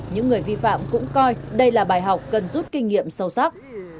những người vi phạm cũng coi đây là bài học cần rút kinh nghiệm sâu sắc